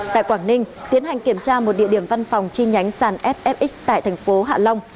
tại quảng ninh tiến hành kiểm tra một địa điểm văn phòng chi nhánh sàn ffxx tại thành phố hạ long